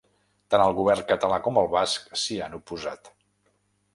Tant el govern català com el basc s’hi han oposat.